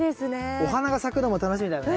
お花が咲くのも楽しみだよね。